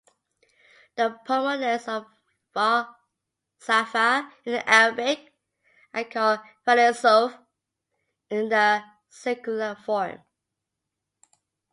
The proponents of falsafa in Arabic are called "faylasuf" in the singular form.